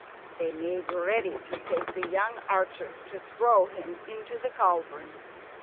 They made ready to take the young archer, to throw him into the cauldron.